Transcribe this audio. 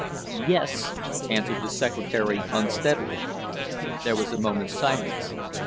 "Yes," answered the secretary unsteadily. There was a moment's silence.